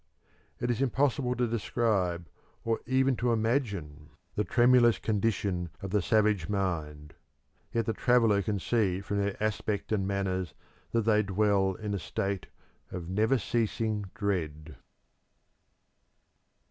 It is impossible to describe, or even to imagine, the tremulous condition of the savage mind, yet the traveller can see from their aspect and manners that they dwell in a state of never ceasing dread.